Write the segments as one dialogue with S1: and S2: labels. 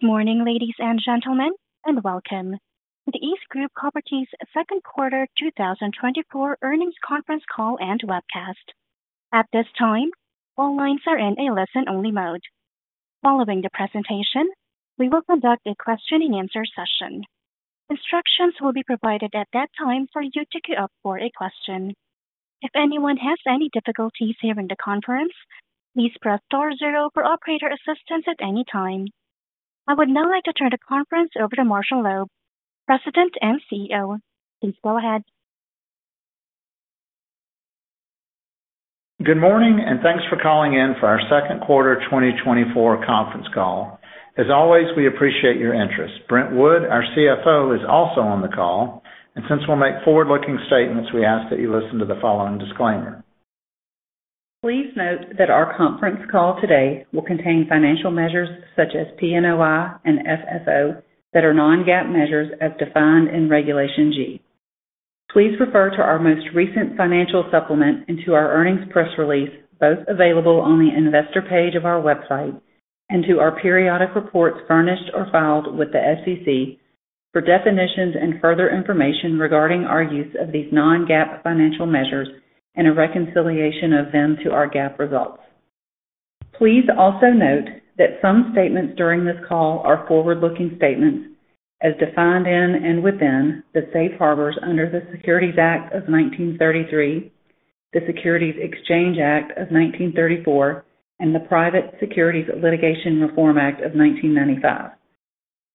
S1: Good morning, ladies and gentlemen, and welcome to the EastGroup Properties Second Quarter 2024 Earnings Conference Call and Webcast. At this time, all lines are in a listen-only mode. Following the presentation, we will conduct a question-and-answer session. Instructions will be provided at that time for you to queue up for a question. If anyone has any difficulties hearing the conference, please press star zero for operator assistance at any time. I would now like to turn the conference over to Marshall Loeb, President and CEO. Please go ahead.
S2: Good morning, and thanks for calling in for our Second Quarter 2024 Conference Call. As always, we appreciate your interest. Brent Wood, our CFO, is also on the call, and since we'll make forward-looking statements, we ask that you listen to the following disclaimer.
S3: Please note that our conference call today will contain financial measures such as PNOI and FFO that are non-GAAP measures as defined in Regulation G. Please refer to our most recent financial supplement and to our earnings press release, both available on the investor page of our website, and to our periodic reports furnished or filed with the SEC for definitions and further information regarding our use of these non-GAAP financial measures and a reconciliation of them to our GAAP results. Please also note that some statements during this call are forward-looking statements as defined in and within the safe harbors under the Securities Act of 1933, the Securities Exchange Act of 1934, and the Private Securities Litigation Reform Act of 1995.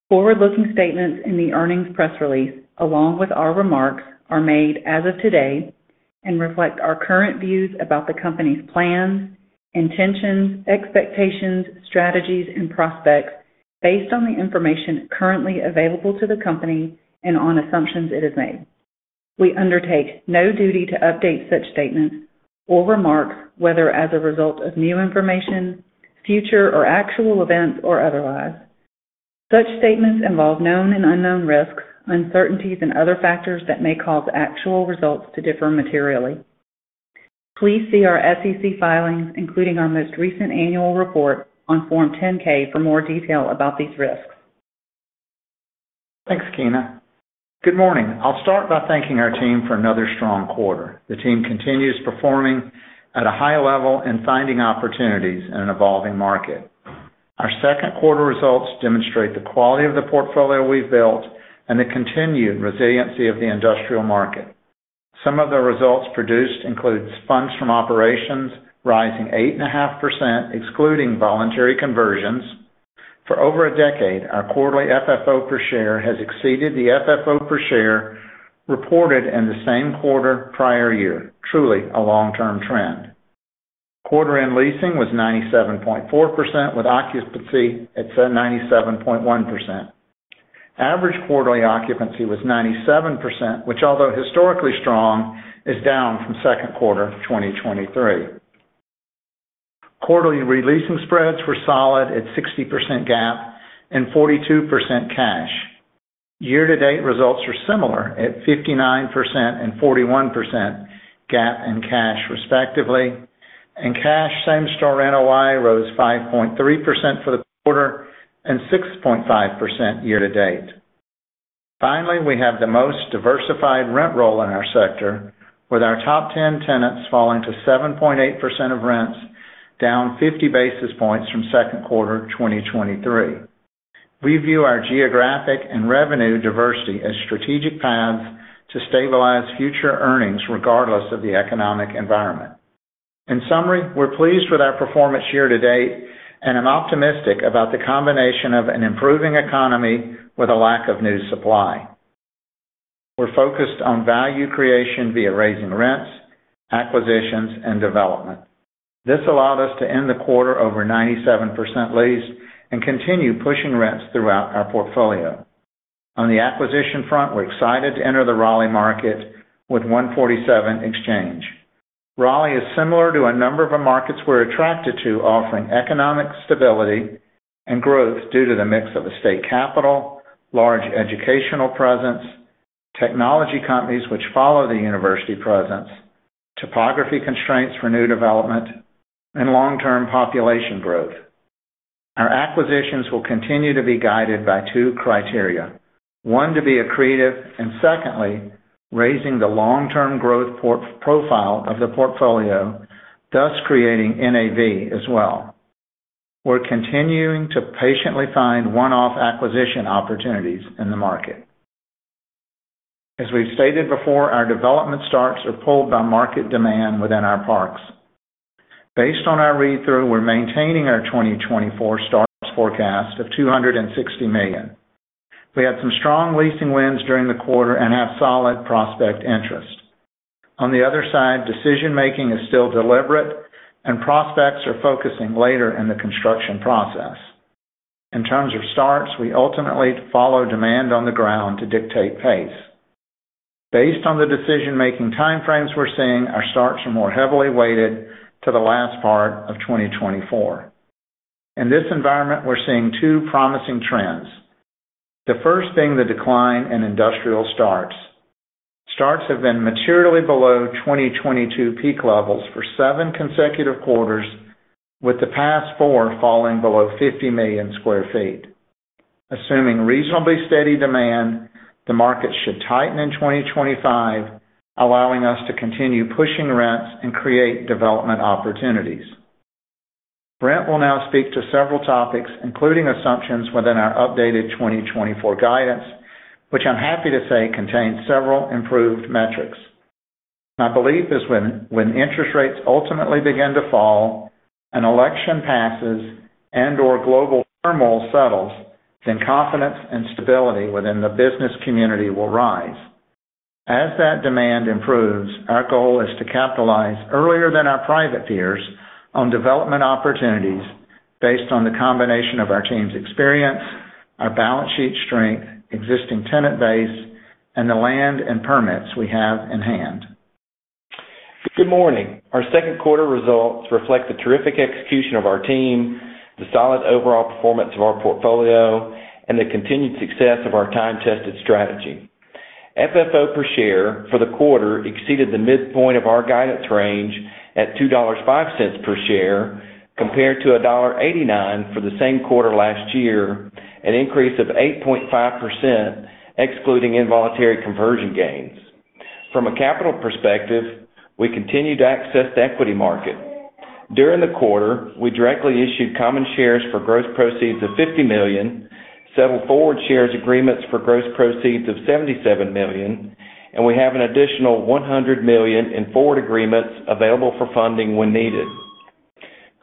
S3: Forward-looking statements in the earnings press release, along with our remarks, are made as of today and reflect our current views about the company's plans, intentions, expectations, strategies, and prospects based on the information currently available to the company and on assumptions it has made. We undertake no duty to update such statements or remarks, whether as a result of new information, future or actual events, or otherwise. Such statements involve known and unknown risks, uncertainties, and other factors that may cause actual results to differ materially. Please see our SEC filings, including our most recent annual report on Form 10-K for more detail about these risks.
S2: Thanks, Keena. Good morning. I'll start by thanking our team for another strong quarter. The team continues performing at a high level and finding opportunities in an evolving market. Our second quarter results demonstrate the quality of the portfolio we've built and the continued resiliency of the industrial market. Some of the results produced includes funds from operations rising 8.5%, excluding voluntary conversions. For over a decade, our quarterly FFO per share has exceeded the FFO per share reported in the same quarter prior year. Truly a long-term trend. Quarter end leasing was 97.4%, with occupancy at 79.1%. Average quarterly occupancy was 97%, which although historically strong, is down from second quarter 2023. Quarterly re-leasing spreads were solid at 60% GAAP and 42% cash. Year-to-date results were similar at 59% and 41% GAAP and cash, respectively, and cash same store NOI rose 5.3% for the quarter and 6.5% year to date. Finally, we have the most diversified rent roll in our sector, with our top ten tenants falling to 7.8% of rents, down 50 basis points from second quarter 2023. We view our geographic and revenue diversity as strategic paths to stabilize future earnings, regardless of the economic environment. In summary, we're pleased with our performance year to date and are optimistic about the combination of an improving economy with a lack of new supply. We're focused on value creation via raising rents, acquisitions, and development. This allowed us to end the quarter over 97% leased and continue pushing rents throughout our portfolio. On the acquisition front, we're excited to enter the Raleigh market with 147 Exchange. Raleigh is similar to a number of markets we're attracted to, offering economic stability and growth due to the mix of a state capital, large educational presence, technology companies which follow the university presence, topography constraints for new development, and long-term population growth. Our acquisitions will continue to be guided by two criteria. One, to be accretive, and secondly, raising the long-term growth profile of the portfolio, thus creating NAV as well. We're continuing to patiently find one-off acquisition opportunities in the market. As we've stated before, our development starts are pulled by market demand within our parks. Based on our read-through, we're maintaining our 2024 starts forecast of $260 million. We had some strong leasing wins during the quarter and have solid prospect interest. On the other side, decision-making is still deliberate and prospects are focusing later in the construction process. In terms of starts, we ultimately follow demand on the ground to dictate pace. Based on the decision-making time frames we're seeing, our starts are more heavily weighted to the last part of 2024. In this environment, we're seeing two promising trends. The first being the decline in industrial starts. Starts have been materially below 2022 peak levels for seven consecutive quarters, with the past four falling below 50 million sq ft. Assuming reasonably steady demand, the market should tighten in 2025, allowing us to continue pushing rents and create development opportunities. Brent will now speak to several topics, including assumptions within our updated 2024 guidance, which I'm happy to say contains several improved metrics. My belief is when interest rates ultimately begin to fall, an election passes, and/or global turmoil settles, then confidence and stability within the business community will rise. As that demand improves, our goal is to capitalize earlier than our private peers on development opportunities based on the combination of our team's experience, our balance sheet strength, existing tenant base, and the land and permits we have in hand.
S4: Good morning. Our second quarter results reflect the terrific execution of our team, the solid overall performance of our portfolio, and the continued success of our time-tested strategy. FFO per share for the quarter exceeded the midpoint of our guidance range at $2.05 per share, compared to $1.89 for the same quarter last year, an increase of 8.5%, excluding involuntary conversion gains. From a capital perspective, we continue to access the equity market. During the quarter, we directly issued common shares for gross proceeds of $50 million, settled forward shares agreements for gross proceeds of $77 million, and we have an additional $100 million in forward agreements available for funding when needed.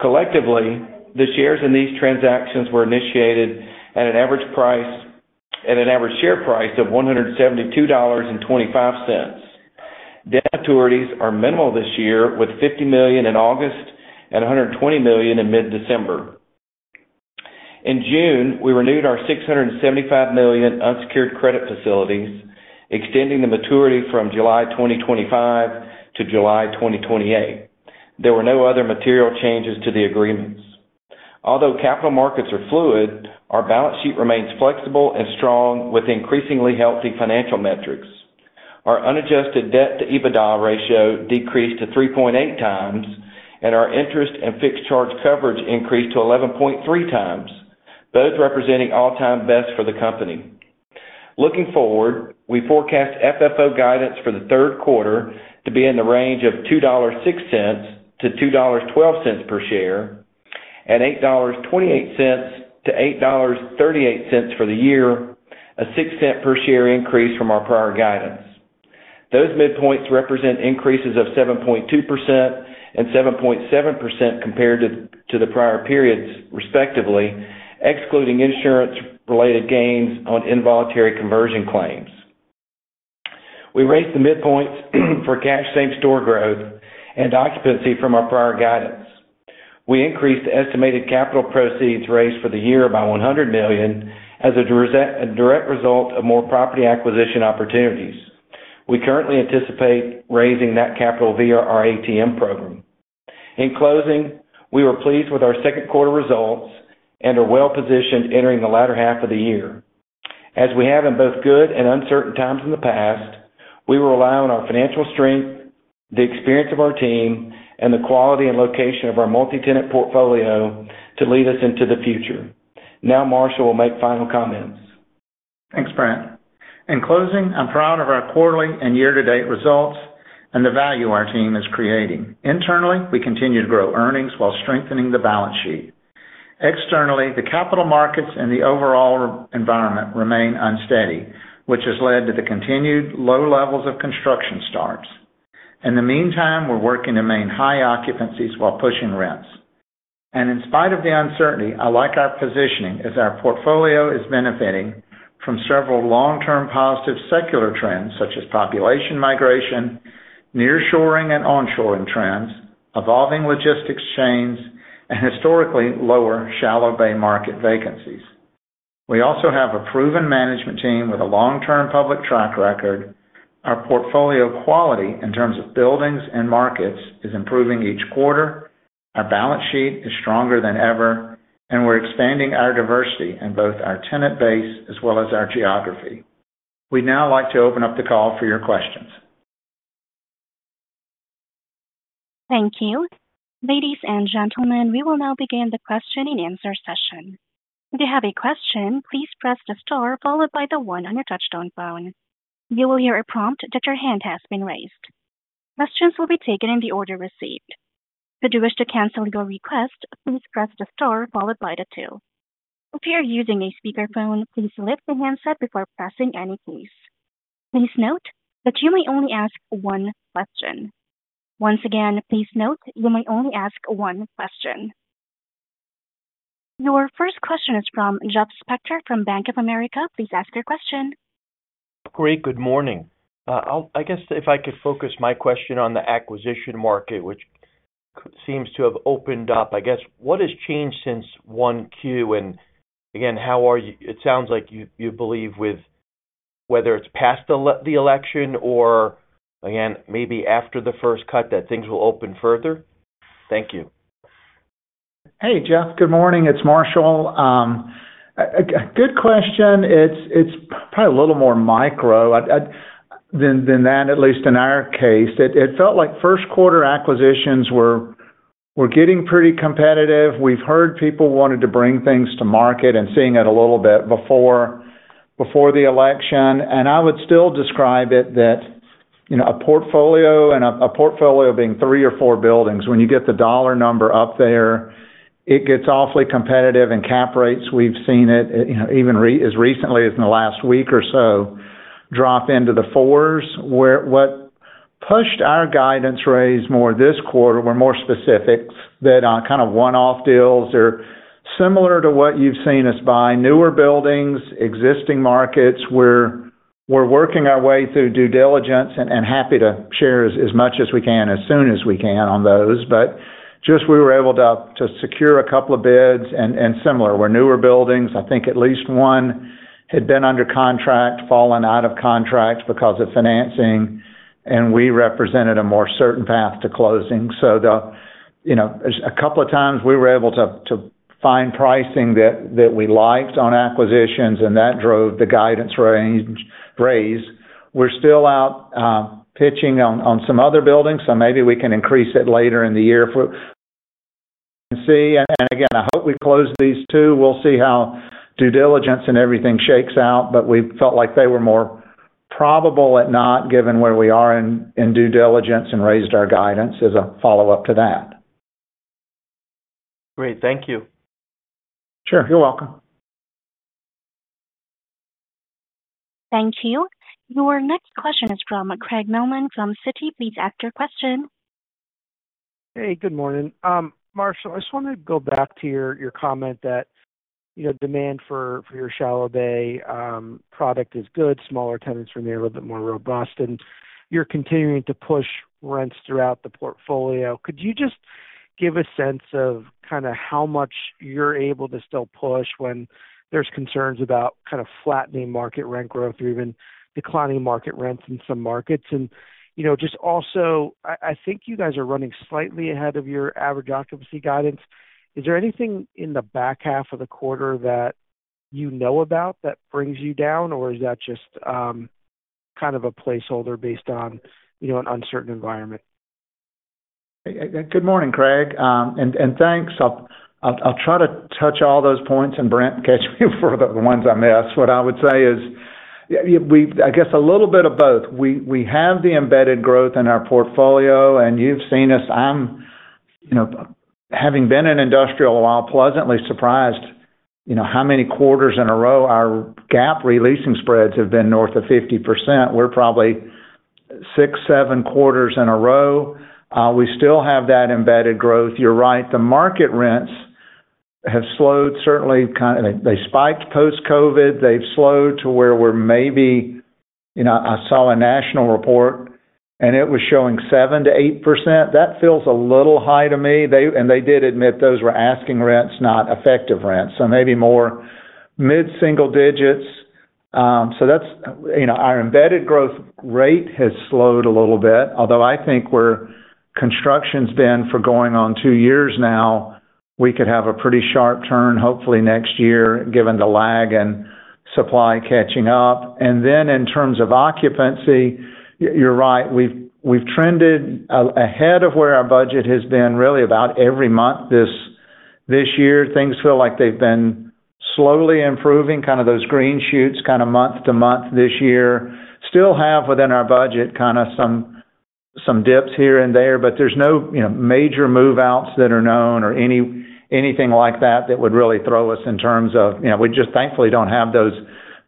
S4: Collectively, the shares in these transactions were initiated at an average price-- at an average share price of $172.25. Debt maturities are minimal this year, with $50 million in August and $120 million in mid-December. In June, we renewed our $675 million unsecured credit facilities, extending the maturity from July 2025 to July 2028. There were no other material changes to the agreements. Although capital markets are fluid, our balance sheet remains flexible and strong, with increasingly healthy financial metrics. Our unadjusted debt-to-EBITDA ratio decreased to 3.8 times, and our interest and fixed charge coverage increased to 11.3 times, both representing all-time bests for the company. Looking forward, we forecast FFO guidance for the third quarter to be in the range of $2.06-$2.12 per share, and $8.28-$8.38 for the year, a 6 cents per share increase from our prior guidance. Those midpoints represent increases of 7.2% and 7.7% compared to the prior periods, respectively, excluding insurance-related gains on involuntary conversion claims. We raised the midpoints for cash same-store growth and occupancy from our prior guidance. We increased the estimated capital proceeds raised for the year by $100 million as a direct result of more property acquisition opportunities. We currently anticipate raising that capital via our ATM program. In closing, we were pleased with our second quarter results and are well positioned entering the latter half of the year. As we have in both good and uncertain times in the past, we will rely on our financial strength, the experience of our team, and the quality and location of our multi-tenant portfolio to lead us into the future. Now, Marshall will make final comments.
S2: Thanks, Brent. In closing, I'm proud of our quarterly and year-to-date results and the value our team is creating. Internally, we continue to grow earnings while strengthening the balance sheet. Externally, the capital markets and the overall environment remain unsteady, which has led to the continued low levels of construction starts. In the meantime, we're working to maintain high occupancies while pushing rents. In spite of the uncertainty, I like our positioning, as our portfolio is benefiting from several long-term positive secular trends, such as population migration, nearshoring and onshoring trends, evolving logistics chains, and historically lower shallow bay market vacancies. We also have a proven management team with a long-term public track record. Our portfolio quality, in terms of buildings and markets, is improving each quarter. Our balance sheet is stronger than ever, and we're expanding our diversity in both our tenant base as well as our geography. We'd now like to open up the call for your questions.
S1: Thank you. Ladies and gentlemen, we will now begin the question-and-answer session. If you have a question, please press the star followed by the one on your touchtone phone. You will hear a prompt that your hand has been raised. Questions will be taken in the order received. If you wish to cancel your request, please press the star followed by the two. If you are using a speakerphone, please lift the handset before pressing any keys. Please note that you may only ask one question. Once again, please note you may only ask one question. Your first question is from Jeff Spector from Bank of America. Please ask your question.
S5: Great. Good morning. I guess if I could focus my question on the acquisition market, which seems to have opened up, I guess. What has changed since 1Q? And again, how are you? It sounds like you believe with whether it's past the election or again, maybe after the first cut, that things will open further? Thank you.
S2: Hey, Jeff, good morning. It's Marshall. A good question. It's probably a little more micro than that, at least in our case. It felt like first quarter acquisitions were getting pretty competitive. We've heard people wanted to bring things to market and seeing it a little bit before the election. And I would still describe it that, you know, a portfolio, and a portfolio being three or four buildings, when you get the dollar number up there, it gets awfully competitive. And cap rates, we've seen it, you know, even as recently as in the last week or so, drop into the fours. What pushed our guidance raise more this quarter were more specifics that are kind of one-off deals or similar to what you've seen us buy, newer buildings, existing markets. We're working our way through due diligence and happy to share as much as we can, as soon as we can on those. But just we were able to secure a couple of bids and similar, were newer buildings. I think at least one had been under contract, fallen out of contract because of financing, and we represented a more certain path to closing. So, you know, a couple of times, we were able to find pricing that we liked on acquisitions, and that drove the guidance range raise. We're still out pitching on some other buildings, so maybe we can increase it later in the year for. See, and again, I hope we close these two. We'll see how due diligence and everything shakes out, but we felt like they were more probable than not given where we are in due diligence, and raised our guidance as a follow-up to that.
S5: Great. Thank you.
S2: Sure. You're welcome.
S1: Thank you. Your next question is from Craig Mailman from Citi. Please ask your question.
S6: Hey, good morning. Marshall, I just wanted to go back to your, your comment that, you know, demand for, for your shallow bay product is good, smaller tenants from there are a little bit more robust, and you're continuing to push rents throughout the portfolio. Could you just give a sense of kind of how much you're able to still push when there's concerns about kind of flattening market rent growth or even declining market rents in some markets? And, you know, just also, I, I think you guys are running slightly ahead of your average occupancy guidance. Is there anything in the back half of the quarter that you know about that brings you down, or is that just, kind of a placeholder based on, you know, an uncertain environment?
S7: Good morning, Craig, and thanks. I'll try to touch all those points, and Brent, catch me for the ones I miss. What I would say is, yeah, we—I guess a little bit of both. We have the embedded growth in our portfolio, and you've seen us. I'm, you know, having been in industrial a while, pleasantly surprised, you know, how many quarters in a row our GAAP re-leasing spreads have been north of 50%. We're probably six, seven quarters in a row. We still have that embedded growth. You're right, the market rents have slowed, certainly. They spiked post-COVID. They've slowed to where we're maybe. You know, I saw a national report, and it was showing 7%-8%. That feels a little high to me. They and they did admit those were asking rents, not effective rents. So maybe more mid-single digits. So that's, you know, our embedded growth rate has slowed a little bit, although I think we're construction's been for going on two years now. We could have a pretty sharp turn, hopefully next year, given the lag and supply catching up. And then in terms of occupancy, you're right, we've trended ahead of where our budget has been really about every month this year. Things feel like they've been slowly improving, kind of those green shoots, kind of month-to-month this year. Still have within our budget, kind of some dips here and there, but there's no, you know, major move-outs that are known or anything like that, that would really throw us in terms of, you know, we just thankfully don't have those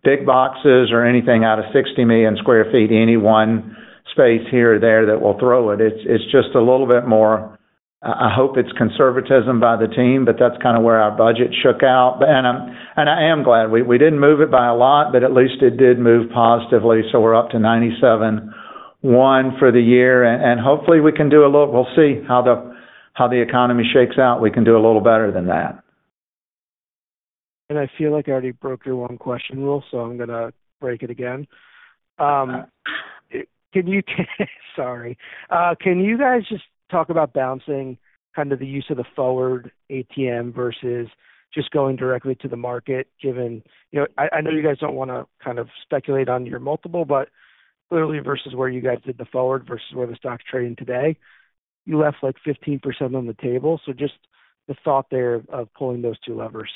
S7: big boxes or anything out of 60 million sq ft, any one space here or there that will throw it. It's just a little bit more. I hope it's conservatism by the team, but that's kind of where our budget shook out. But, and I'm glad. We didn't move it by a lot, but at least it did move positively, so we're up to 97.1 for the year, and hopefully we can do a little. We'll see how the economy shakes out. We can do a little better than that. I feel like I already broke your one question rule, so I'm gonna break it again. Can you, sorry. Can you guys just talk about balancing kind of the use of the forward ATM versus just going directly to the market, given. You know, I know you guys don't wanna kind of speculate on your multiple, but clearly versus where you guys did the forward versus where the stock's trading today, you left, like, 15% on the table. So just the thought there of pulling those two levers.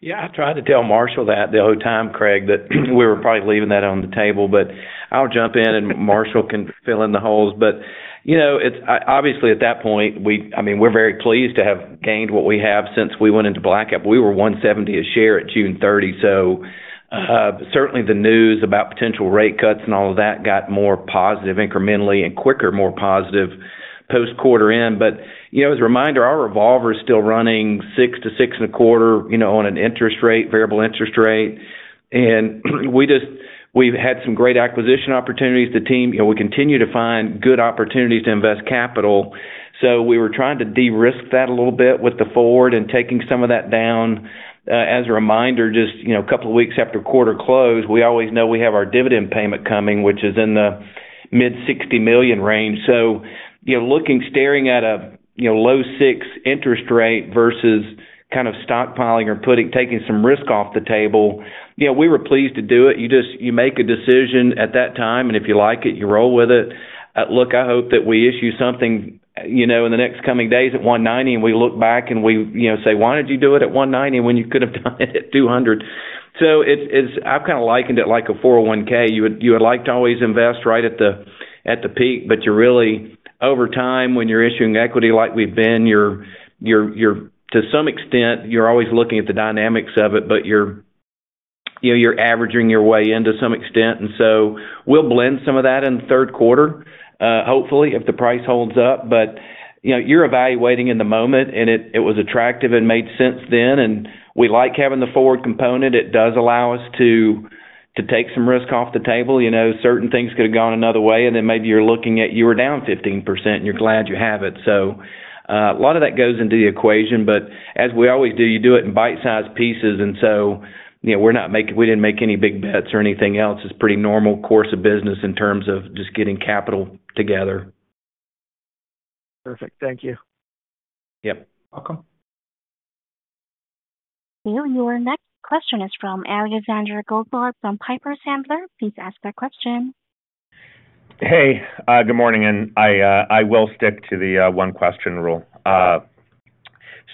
S4: Yeah, I tried to tell Marshall that the whole time, Craig, that we were probably leaving that on the table, but I'll jump in and Marshall can fill in the holes. But, you know, it's obviously at that point, we—I mean, we're very pleased to have gained what we have since we went into blackout. We were $170 a share at June 30, so, certainly the news about potential rate cuts and all of that got more positive incrementally and quicker, more positive post quarter end. But, you know, as a reminder, our revolver is still running 6%-6.25%, you know, on an interest rate, variable interest rate. And, we just—we've had some great acquisition opportunities. The team, you know, we continue to find good opportunities to invest capital, so we were trying to de-risk that a little bit with the forward and taking some of that down. As a reminder, just, you know, a couple of weeks after quarter close, we always know we have our dividend payment coming, which is in the mid $60 million range. So, you know, looking, staring at a, you know, low 6% interest rate versus kind of stockpiling or taking some risk off the table, you know, we were pleased to do it. You just, you make a decision at that time, and if you like it, you roll with it. Look, I hope that we issue something, you know, in the next coming days at $190, and we look back and we, you know, say, "Why did you do it at $190 when you could have done it at $200?" So it's. I've kind of likened it like a 401(k). You would like to always invest right at the peak, but you're really, over time, when you're issuing equity like we've been, you're to some extent always looking at the dynamics of it, but you know, you're averaging your way in to some extent, and so we'll blend some of that in the third quarter, hopefully, if the price holds up. But, you know, you're evaluating in the moment, and it was attractive and made sense then. And we like having the forward component. It does allow us to take some risk off the table. You know, certain things could have gone another way, and then maybe you're looking at you were down 15%, and you're glad you have it. So, a lot of that goes into the equation, but as we always do, you do it in bite-sized pieces, and so, you know, we didn't make any big bets or anything else. It's pretty normal course of business in terms of just getting capital together.
S6: Perfect. Thank you.
S4: Yep, welcome.
S1: Your next question is from Alexander Goldfarb, from Piper Sandler. Please ask their question.
S8: Hey, good morning, and I, I will stick to the, one question rule.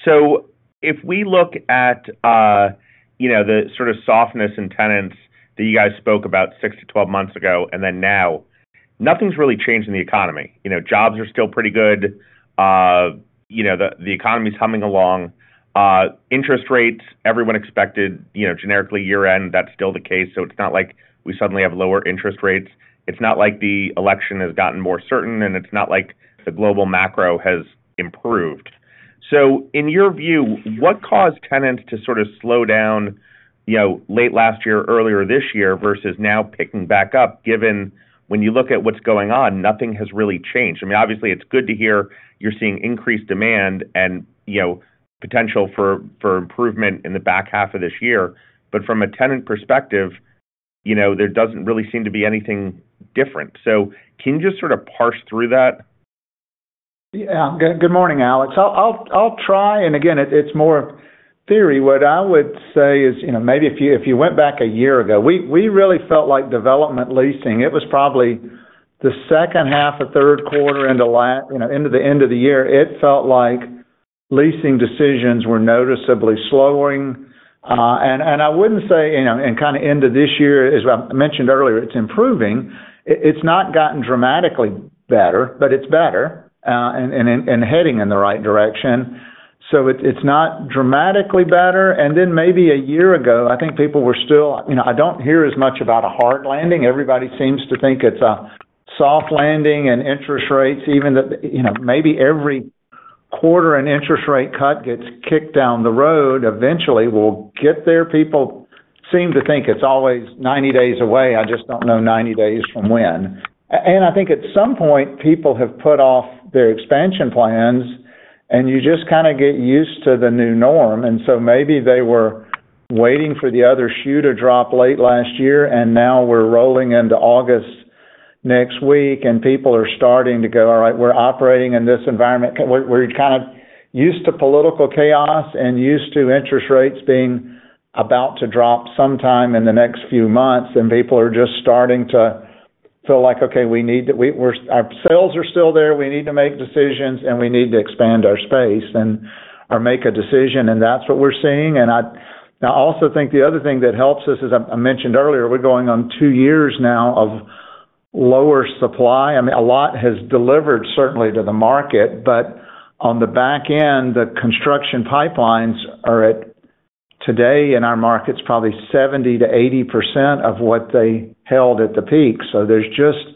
S8: So if we look at, you know, the sort of softness in tenants that you guys spoke about 6-12 months ago, and then now, nothing's really changed in the economy. You know, jobs are still pretty good. You know, the economy is humming along. Interest rates, everyone expected, you know, generically, year-end, that's still the case, so it's not like we suddenly have lower interest rates. It's not like the election has gotten more certain, and it's not like the global macro has improved. So in your view, what caused tenants to sort of slow down, you know, late last year, earlier this year, versus now picking back up, given when you look at what's going on, nothing has really changed? I mean, obviously, it's good to hear you're seeing increased demand and, you know, potential for improvement in the back half of this year, but from a tenant perspective, you know, there doesn't really seem to be anything different. So can you just sort of parse through that?
S2: Yeah. Good morning, Alex. I'll try, and again, it's more theory. What I would say is, you know, maybe if you went back a year ago, we really felt like development leasing. It was probably the second half of third quarter into la-, you know, into the end of the year. It felt like leasing decisions were noticeably slowing. And I wouldn't say, you know, and kind of into this year, as I mentioned earlier, it's improving. It's not gotten dramatically better, but it's better, and heading in the right direction. So it's not dramatically better. And then maybe a year ago, I think people were still. You know, I don't hear as much about a hard landing. Everybody seems to think it's a soft landing and interest rates, even that, you know, maybe every quarter, an interest rate cut gets kicked down the road. Eventually, we'll get there. People seem to think it's always 90 days away. I just don't know 90 days from when. And I think at some point, people have put off their expansion plans, and you just kind of get used to the new norm. And so maybe they were waiting for the other shoe to drop late last year, and now we're rolling into August next week, and people are starting to go, "All right, we're operating in this environment." We're, we're kind of used to political chaos and used to interest rates being about to drop sometime in the next few months, and people are just starting to feel like, "Okay, we need to-- we- we're-- our sales are still there. We need to make decisions, and we need to expand our space and, or make a decision," and that's what we're seeing. And I, I also think the other thing that helps us, as I, I mentioned earlier, we're going on two years now of lower supply. I mean, a lot has delivered certainly to the market, but on the back end, the construction pipelines are at, today in our markets, probably 70%-80% of what they held at the peak. So there's just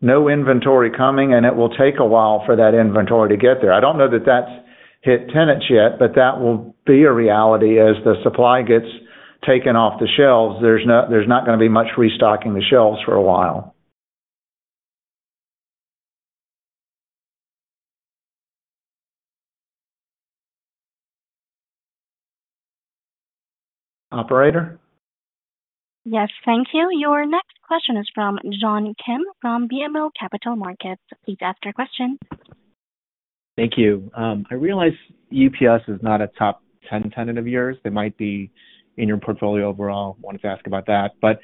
S2: no inventory coming, and it will take a while for that inventory to get there. I don't know that that's hit tenants yet, but that will be a reality as the supply gets taken off the shelves. There's not gonna be much restocking the shelves for a while. Operator?
S1: Yes, thank you. Your next question is from John Kim, from BMO Capital Markets. Please ask your question.
S9: Thank you. I realize UPS is not a top 10 tenant of yours. They might be in your portfolio overall. Wanted to ask about that. But,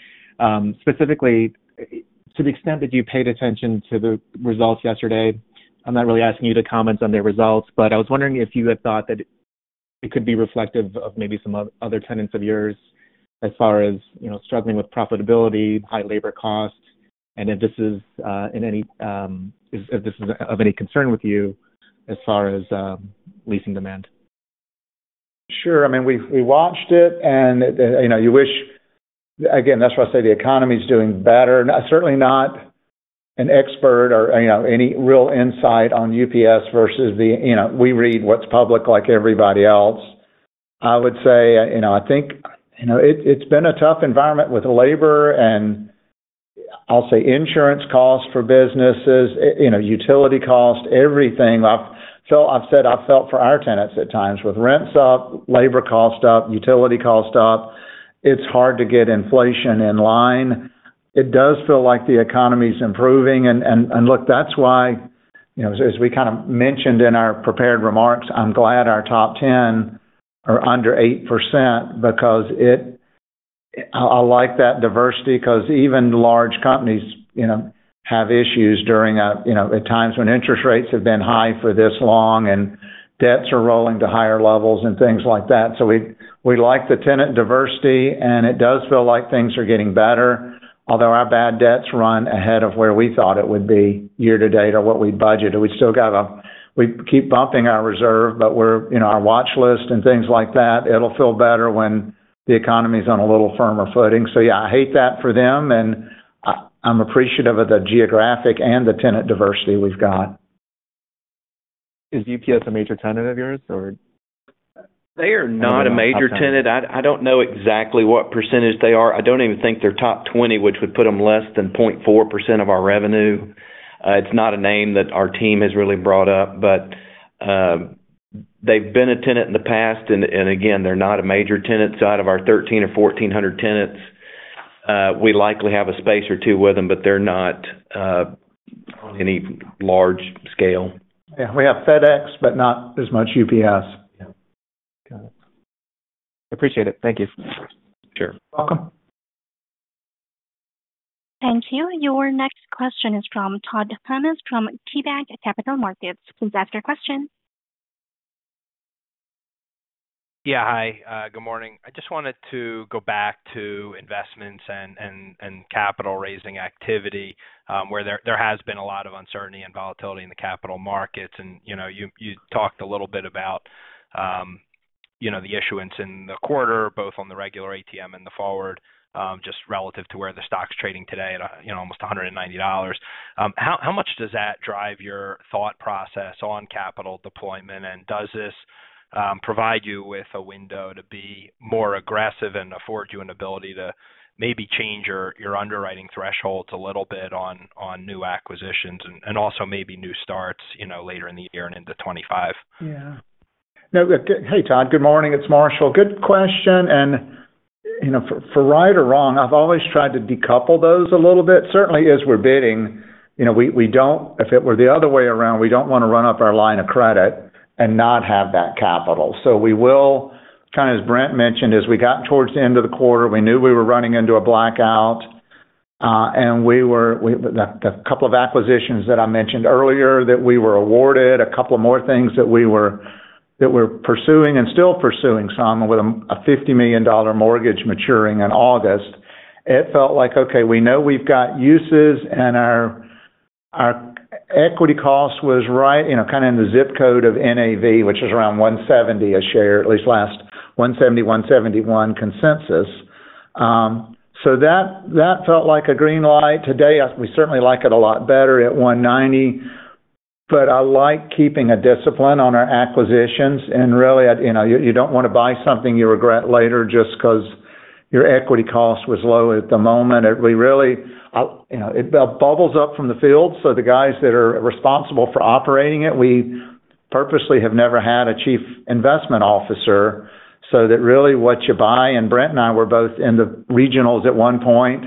S9: specifically, to the extent that you paid attention to the results yesterday, I'm not really asking you to comment on their results, but I was wondering if you had thought that it could be reflective of maybe some other tenants of yours, as far as, you know, struggling with profitability, high labor costs, and if this is of any concern with you as far as leasing demand.
S2: Sure. I mean, we watched it, and, you know, you wish, again, that's why I say the economy is doing better. Not certainly not an expert or, you know, any real insight on UPS versus the, you know, we read what's public like everybody else. I would say, you know, I think, you know, it, it's been a tough environment with labor and, I'll say insurance costs for businesses, you know, utility costs, everything. I've said I've felt for our tenants at times with rents up, labor costs up, utility costs up, it's hard to get inflation in line. It does feel like the economy's improving. Look, that's why, you know, as we kind of mentioned in our prepared remarks, I'm glad our top 10 are under 8%, because it—I like that diversity, 'cause even large companies, you know, have issues during, you know, at times when interest rates have been high for this long, and debts are rolling to higher levels and things like that. So we like the tenant diversity, and it does feel like things are getting better. Although our bad debts run ahead of where we thought it would be year to date or what we budgeted. We still got a... We keep bumping our reserve, but we're, you know, our watch list and things like that, it'll feel better when the economy's on a little firmer footing. So yeah, I hate that for them, and I'm appreciative of the geographic and the tenant diversity we've got.
S9: Is UPS a major tenant of yours, or?
S4: They are not a major tenant. I don't know exactly what percentage they are. I don't even think they're top 20, which would put them less than 0.4% of our revenue. It's not a name that our team has really brought up, but, they've been a tenant in the past, and again, they're not a major tenant. Out of our 1,300 or 1,400 tenants, we likely have a space or two with them, but they're not on any large scale.
S2: Yeah, we have FedEx, but not as much UPS.
S9: Yeah. Got it. Appreciate it. Thank you.
S4: Sure.
S2: Welcome.
S1: Thank you. Your next question is from Todd Thomas from KeyBanc Capital Markets. Please ask your question.
S10: Yeah, hi. Good morning. I just wanted to go back to investments and capital raising activity, where there has been a lot of uncertainty and volatility in the capital markets. You know, you talked a little bit about, you know, the issuance in the quarter, both on the regular ATM and the forward, just relative to where the stock's trading today at, you know, almost $190. How much does that drive your thought process on capital deployment? And does this provide you with a window to be more aggressive and afford you an ability to maybe change your underwriting thresholds a little bit on new acquisitions and also maybe new starts, you know, later in the year and into 2025?
S2: Yeah. No, hey, Todd. Good morning, it's Marshall. Good question, and, you know, for right or wrong, I've always tried to decouple those a little bit. Certainly, as we're bidding, you know, we don't, if it were the other way around, we don't wanna run up our line of credit and not have that capital. So we will, kinda as Brent mentioned, as we got towards the end of the quarter, we knew we were running into a blackout, and we were the couple of acquisitions that I mentioned earlier that we were awarded, a couple of more things that we're pursuing and still pursuing some, with a $50 million mortgage maturing in August. It felt like, okay, we know we've got uses, and our equity cost was right, you know, kind of in the zip code of NAV, which is around $170 a share, at least last 170, 171 consensus. So that felt like a green light. Today, we certainly like it a lot better at $190, but I like keeping a discipline on our acquisitions, and really, you know, you don't want to buy something you regret later just 'cause your equity cost was low at the moment. We really, you know, it bubbles up from the field, so the guys that are responsible for operating it, we purposely have never had a chief investment officer, so that really what you buy, and Brent and I were both in the regionals at one point,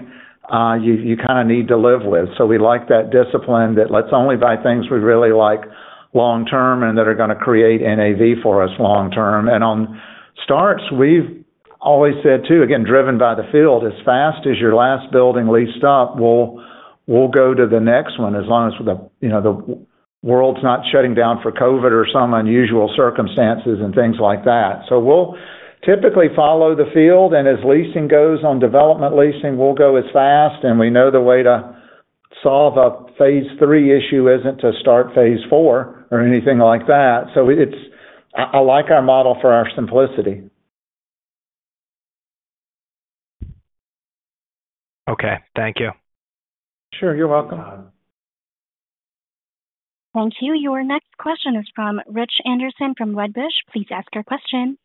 S2: you kind of need to live with. So we like that discipline, that let's only buy things we really like long term and that are gonna create NAV for us long term. And on starts, we've always said, too, again, driven by the field, as fast as your last building leased up, we'll go to the next one, as long as the, you know, the world's not shutting down for COVID or some unusual circumstances and things like that. So we'll typically follow the field, and as leasing goes on, development leasing will go as fast, and we know the way to solve a phase three issue isn't to start phase four or anything like that. So it's... I, I like our model for our simplicity.
S10: Okay, thank you.
S2: Sure, you're welcome.
S1: Thank you. Your next question is from Rich Anderson from Wedbush. Please ask your question.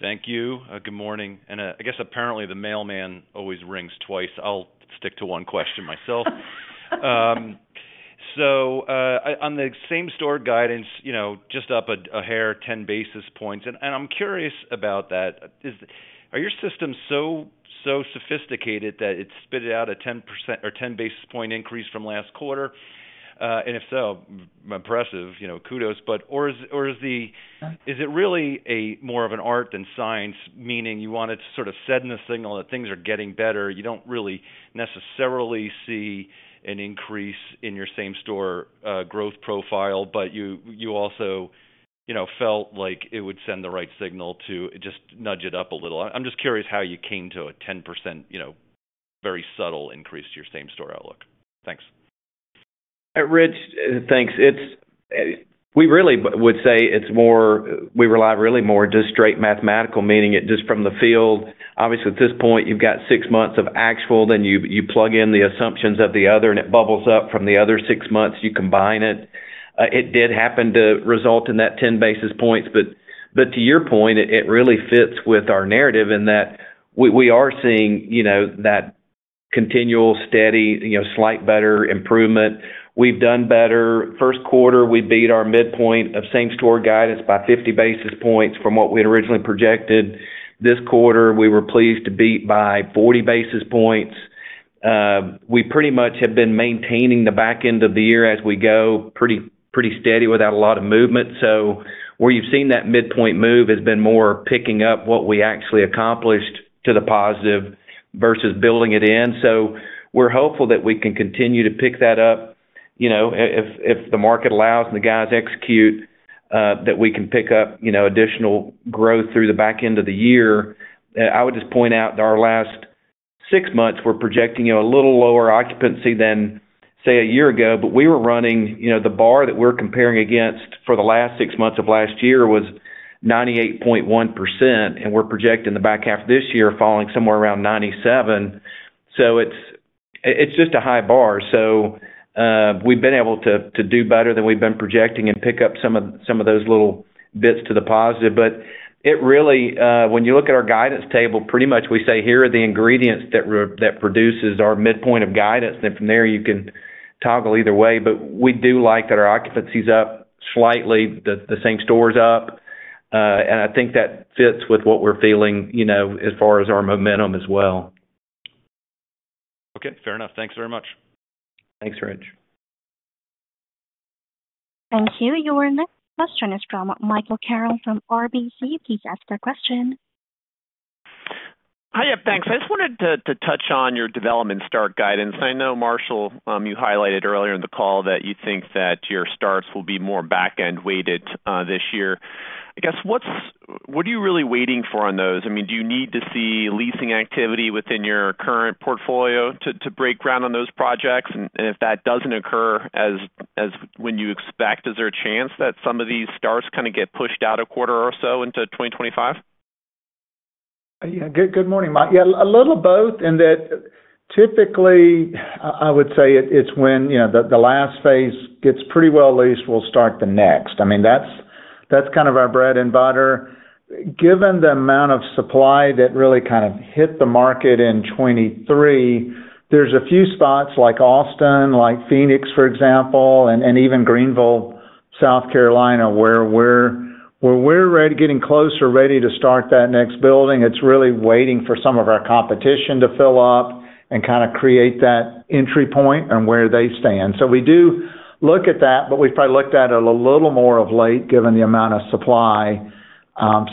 S11: Thank you. Good morning, and I guess apparently, the mailman always rings twice. I'll stick to one question myself. So, on the same store guidance, you know, just up a hair, ten basis points, and I'm curious about that. Are your systems so sophisticated that it spit out a ten percent or ten basis point increase from last quarter? And if so, impressive, you know, kudos. Or is, or is the-
S2: Uh.
S11: Is it really more of an art than science? Meaning you want to sort of send a signal that things are getting better. You don't really necessarily see an increase in your same-store growth profile, but you, you also, you know, felt like it would send the right signal to just nudge it up a little. I'm just curious how you came to a 10%, you know, very subtle increase to your same-store outlook. Thanks.
S4: Rich, thanks. It's, we really would say it's more... We rely really more just straight mathematical, meaning it just from the field. Obviously, at this point, you've got six months of actual, then you plug in the assumptions of the other, and it bubbles up from the other six months. You combine it. It did happen to result in that 10 basis points. But, but to your point, it really fits with our narrative in that we are seeing, you know, that continual, steady, you know, slight better improvement. We've done better. First quarter, we beat our midpoint of same-store guidance by 50 basis points from what we had originally projected. This quarter, we were pleased to beat by 40 basis points. We pretty much have been maintaining the back end of the year as we go, pretty, pretty steady without a lot of movement. So where you've seen that midpoint move has been more picking up what we actually accomplished to the positive versus building it in. So we're hopeful that we can continue to pick that up, you know, if the market allows and the guys execute, that we can pick up, you know, additional growth through the back end of the year. I would just point out that our last six months, we're projecting, you know, a little lower occupancy than, say, a year ago, but we were running, you know, the bar that we're comparing against for the last six months of last year was 98.1%, and we're projecting the back half of this year falling somewhere around 97%. So it's just a high bar. So, we've been able to do better than we've been projecting and pick up some of those little bits to the positive. But it really, when you look at our guidance table, pretty much we say, here are the ingredients that produces our midpoint of guidance, and from there you can toggle either way. But we do like that our occupancy's up slightly, the same store's up, and I think that fits with what we're feeling, you know, as far as our momentum as well.
S11: Okay, fair enough. Thanks very much.
S4: Thanks, Rich.
S1: Thank you. Your next question is from Michael Carroll from RBC. Please ask your question.
S12: Hiya. Thanks. I just wanted to touch on your development start guidance. I know, Marshall, you highlighted earlier in the call that you think that your starts will be more back-end weighted this year. I guess, what's—what are you really waiting for on those? I mean, do you need to see leasing activity within your current portfolio to break ground on those projects? And if that doesn't occur as when you expect, is there a chance that some of these starts kind of get pushed out a quarter or so into 2025?
S2: Yeah. Good morning, Mike. Yeah, a little of both, in that typically, I would say it, it's when, you know, the, the last phase gets pretty well leased, we'll start the next. I mean, that's, that's kind of our bread and butter. Given the amount of supply that really kind of hit the market in 2023, there's a few spots like Austin, like Phoenix, for example, and even Greenville, South Carolina, where we're getting closer, ready to start that next building. It's really waiting for some of our competition to fill up and kind of create that entry point and where they stand. So we do look at that, but we've probably looked at it a little more of late, given the amount of supply.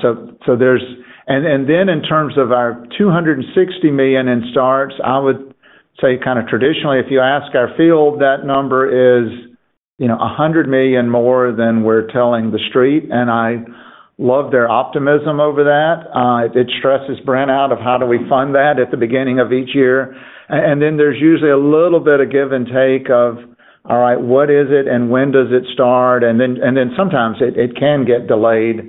S2: So, so there's... In terms of our $260 million in starts, I would say kind of traditionally, if you ask our field, that number is, you know, $100 million more than we're telling the street, and I love their optimism over that. It stresses Brent out of how do we fund that at the beginning of each year? And then there's usually a little bit of give and take of, all right, what is it and when does it start? And then sometimes it can get delayed.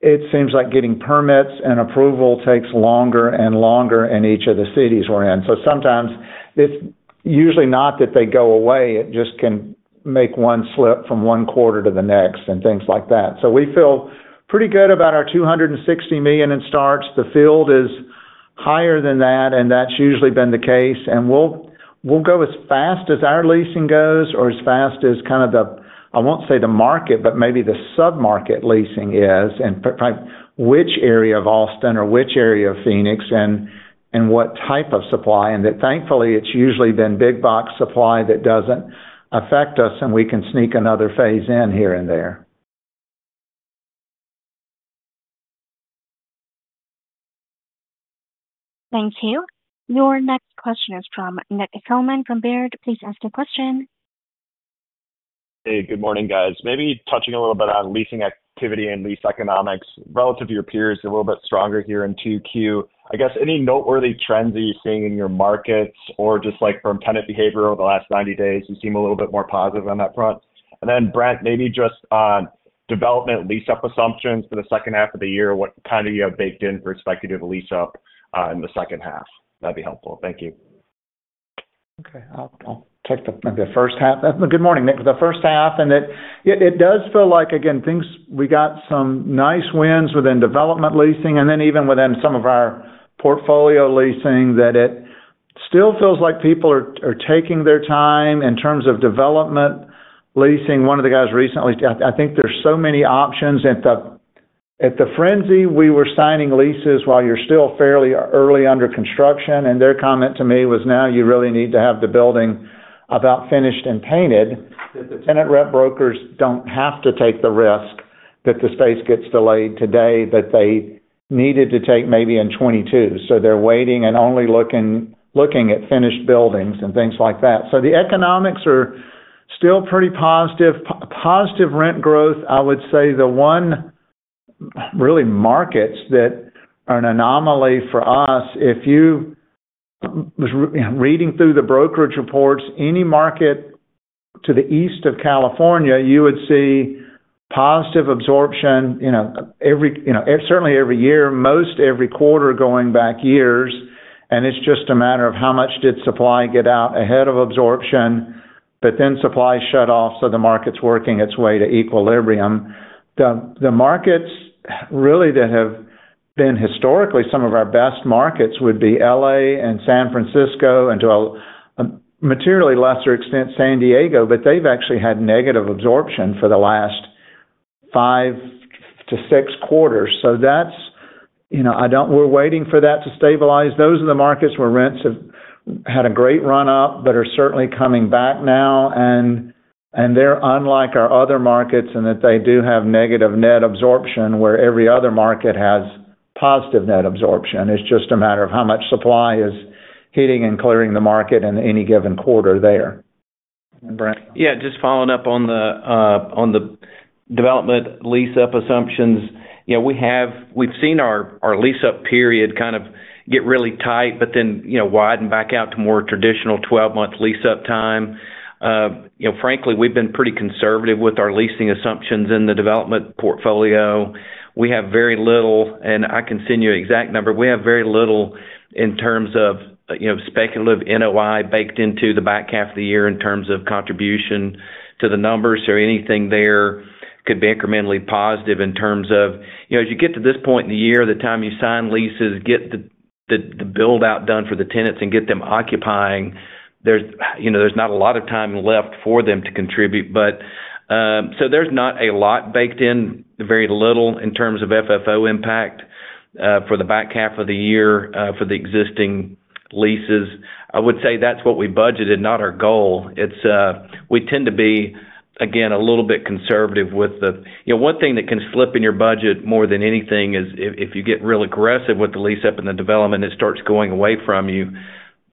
S2: It seems like getting permits and approval takes longer and longer in each of the cities we're in. So sometimes it's usually not that they go away, it just can make one slip from one quarter to the next and things like that. So we feel pretty good about our $260 million in starts. The field is higher than that, and that's usually been the case. And we'll, we'll go as fast as our leasing goes or as fast as kind of the, I won't say the market, but maybe the sub-market leasing is, and which area of Austin or which area of Phoenix and, and what type of supply. And that thankfully, it's usually been big box supply that doesn't affect us, and we can sneak another phase in here and there.
S1: Thank you. Your next question is from Nick Thillman from Baird. Please ask your question.
S13: Hey, good morning, guys. Maybe touching a little bit on leasing activity and lease economics. Relative to your peers, a little bit stronger here in 2Q. I guess, any noteworthy trends that you're seeing in your markets, or just like from tenant behavior over the last 90 days, you seem a little bit more positive on that front? And then, Brent, maybe just on development lease-up assumptions for the second half of the year, what kind of you have baked in for expected lease-up, in the second half? That'd be helpful. Thank you.
S2: Okay, I'll take maybe the first half. Good morning, Nick. The first half, and it does feel like, again, things—we got some nice wins within development leasing and then even within some of our portfolio leasing, that it still feels like people are taking their time in terms of development leasing. One of the guys recently. I think there's so many options. At the frenzy, we were signing leases while you're still fairly early under construction, and their comment to me was, now you really need to have the building about finished and painted, that the tenant rep brokers don't have to take the risk that the space gets delayed today, that they needed to take maybe in 2022. So they're waiting and only looking at finished buildings and things like that. So the economics are still pretty positive. Positive rent growth, I would say the one, really, markets that are an anomaly for us, if you was reading through the brokerage reports, any market to the east of California, you would see positive absorption, you know, every, you know, certainly every year, most every quarter, going back years, and it's just a matter of how much did supply get out ahead of absorption, but then supply shut off, so the market's working its way to equilibrium. The markets really that have been historically some of our best markets would be LA and San Francisco, and to a materially lesser extent, San Diego, but they've actually had negative absorption for the last five to six quarters. So that's, you know, I don't know, we're waiting for that to stabilize. Those are the markets where rents have had a great run up, but are certainly coming back now, and they're unlike our other markets, in that they do have negative net absorption, where every other market has positive net absorption. It's just a matter of how much supply is hitting and clearing the market in any given quarter there. Brent?
S4: Yeah, just following up on the, on the development lease-up assumptions. You know, we have—we've seen our lease-up period kind of get really tight, but then, you know, widen back out to more traditional 12-month lease-up time. You know, frankly, we've been pretty conservative with our leasing assumptions in the development portfolio. We have very little, and I can send you an exact number. We have very little in terms of, you know, speculative NOI baked into the back half of the year in terms of contribution to the numbers or anything there could be incrementally positive in terms of, you know, as you get to this point in the year, the time you sign leases, get the build-out done for the tenants and get them occupying, there's, you know, not a lot of time left for them to contribute. But, so there's not a lot baked in, very little in terms of FFO impact, for the back half of the year, for the existing leases. I would say that's what we budgeted, not our goal. It's, we tend to be, again, a little bit conservative with the... You know, one thing that can slip in your budget more than anything is if you get real aggressive with the lease-up and the development, it starts going away from you.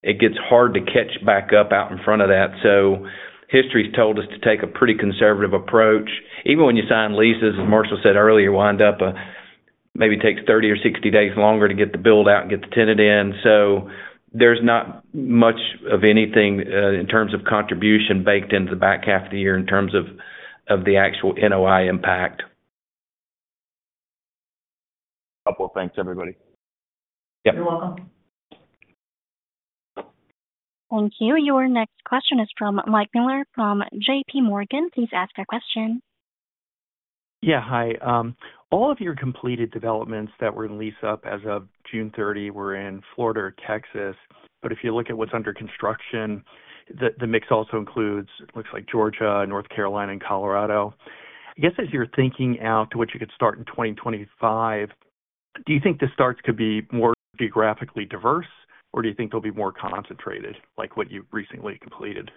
S4: It gets hard to catch back up out in front of that. So history's told us to take a pretty conservative approach. Even when you sign leases, as Marshall said earlier, wind up, maybe takes 30 or 60 days longer to get the build out and get the tenant in. So there's not much of anything in terms of contribution baked into the back half of the year in terms of of the actual NOI impact.
S13: Well, thanks, everybody.
S4: Yep.
S2: You're welcome.
S1: Thank you. Your next question is from Michael Mueller, from J.P. Morgan. Please ask your question.
S14: Yeah, hi. All of your completed developments that were in lease up as of June 30 were in Florida or Texas, but if you look at what's under construction, the mix also includes, looks like Georgia, North Carolina and Colorado. I guess, as you're thinking out to what you could start in 2025, do you think the starts could be more geographically diverse, or do you think they'll be more concentrated, like what you've recently completed?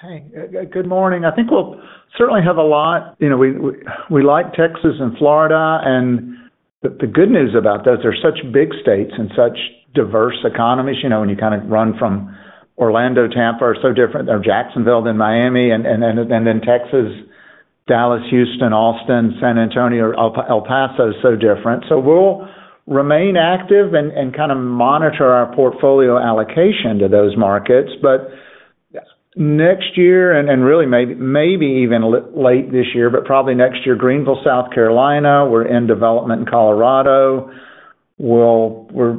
S2: Hey, good morning. I think we'll certainly have a lot. You know, we like Texas and Florida, and the good news about those, they're such big states and such diverse economies. You know, when you kind of run from Orlando, Tampa are so different than Jacksonville than Miami, and then Texas, Dallas, Houston, Austin, San Antonio, El Paso, is so different. So we'll remain active and kind of monitor our portfolio allocation to those markets. But next year, and really maybe even late this year, but probably next year, Greenville, South Carolina, we're in development in Colorado. We're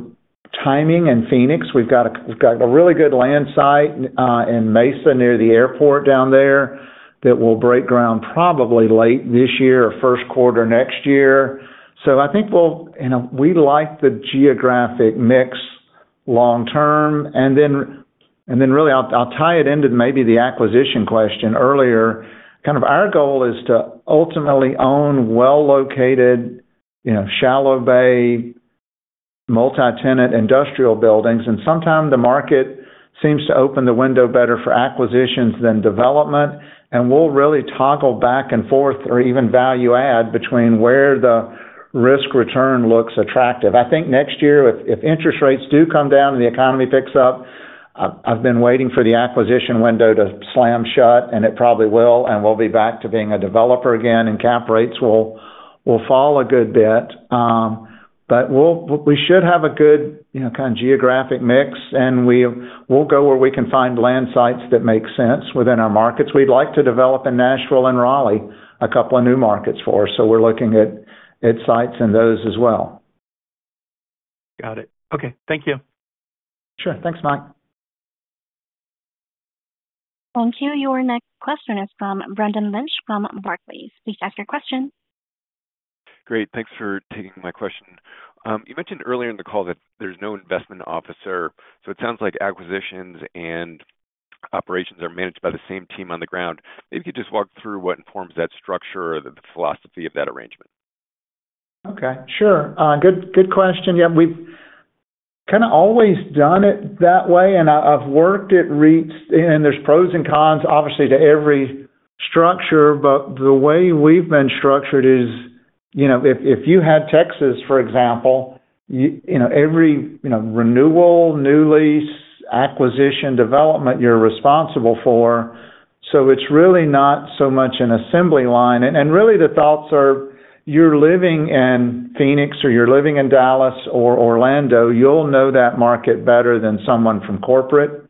S2: timing in Phoenix. We've got a really good land site in Mesa, near the airport down there, that will break ground probably late this year or first quarter next year. So I think we'll, you know, we like the geographic mix long term, and then really, I'll tie it into maybe the acquisition question earlier. Kind of our goal is to ultimately own well-located, you know, shallow bay, multi-tenant industrial buildings, and sometimes the market seems to open the window better for acquisitions than development. And we'll really toggle back and forth or even value add between where the risk return looks attractive. I think next year, if interest rates do come down and the economy picks up, I've been waiting for the acquisition window to slam shut, and it probably will, and we'll be back to being a developer again, and cap rates will fall a good bit. But we should have a good, you know, kind of geographic mix, and we'll go where we can find land sites that make sense within our markets. We'd like to develop in Nashville and Raleigh, a couple of new markets for us, so we're looking at sites and those as well.
S14: Got it. Okay, thank you.
S2: Sure. Thanks, Mike.
S1: Thank you. Your next question is from Brendan Lynch, from Barclays. Please ask your question.
S15: Great. Thanks for taking my question. You mentioned earlier in the call that there's no investment officer, so it sounds like acquisitions and operations are managed by the same team on the ground. Maybe you could just walk through what informs that structure or the philosophy of that arrangement.
S2: Okay, sure. Good, good question. Yeah, we've kind of always done it that way, and I've worked at REITs, and there's pros and cons, obviously, to every structure. But the way we've been structured is, you know, if you had Texas, for example, you know, every renewal, new lease, acquisition, development, you're responsible for. So it's really not so much an assembly line. And really, the thoughts are, you're living in Phoenix or you're living in Dallas or Orlando, you'll know that market better than someone from corporate